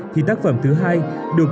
thì tác phẩm thứ hai được